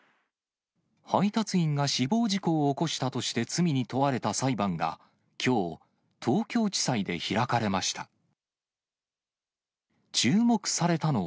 配達員が死亡事故を起こしたとして罪に問われた裁判が、きょう、東京地裁で開かれました。